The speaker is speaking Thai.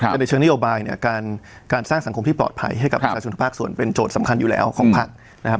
แต่ในเชิงนโยบายเนี่ยการสร้างสังคมที่ปลอดภัยให้กับประชาชนทุกภาคส่วนเป็นโจทย์สำคัญอยู่แล้วของพักนะครับ